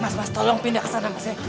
mas mas tolong pindah kesana mas ya